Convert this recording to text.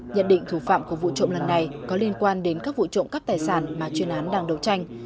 nhận định thủ phạm của vụ trộm lần này có liên quan đến các vụ trộm cắp tài sản mà chuyên án đang đấu tranh